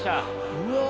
うわ。